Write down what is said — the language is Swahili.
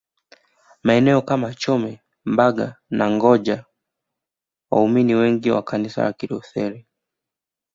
Maeneo kama Chome Mbaga na Gonja waumini wengi wa Kanisa la Kilutheri